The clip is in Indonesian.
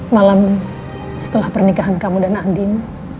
malam setelah pernikahan kamu dan nadiem